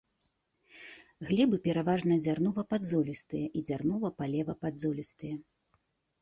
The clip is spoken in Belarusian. Глебы пераважна дзярнова-падзолістыя і дзярнова-палева-падзолістыя.